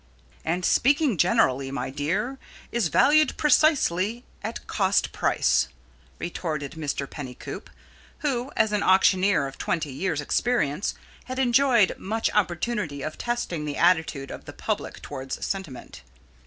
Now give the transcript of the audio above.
"And, speaking generally, my dear, is valued precisely at cost price," retorted Mr. Pennycoop, who, as an auctioneer of twenty years' experience, had enjoyed much opportunity of testing the attitude of the public towards sentiment.